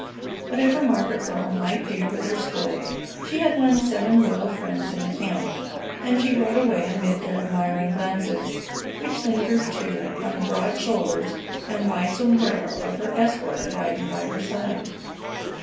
Whatever Margaret Earle might do with her school, she had won seven loyal friends in the camp, and she rode away amid their admiring glances, which lingered, too, on the broad shoulders and wide sombrero of her escort riding by her side.